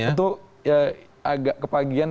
ya tentu agak kepagian